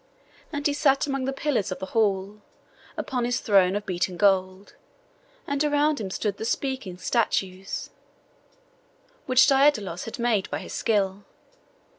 And he sat among the pillars of the hall, upon his throne of beaten gold, and around him stood the speaking statues which Daidalos had made by his skill.